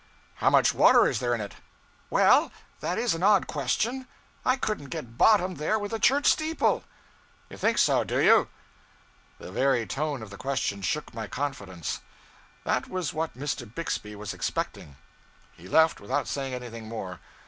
'How much water is there in it?' 'Well, that is an odd question. I couldn't get bottom there with a church steeple.' 'You think so, do you?' The very tone of the question shook my confidence. That was what Mr. Bixby was expecting. He left, without saying anything more.